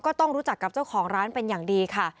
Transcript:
ก็ต้องรู้จักกับเจ้าของร้านเป็นอย่างดีค่ะ